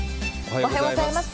おはようございます。